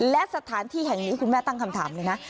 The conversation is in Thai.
และสถานที่แห่งนี้คุณแม่ตั้งคำถามเลยนะ